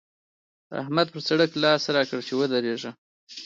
احمد پر سړک لاس راکړ چې ودرېږه!